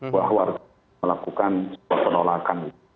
bahwa harus melakukan penolakan